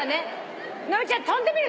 直美ちゃん跳んでみる。